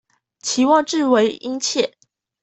期望至為殷切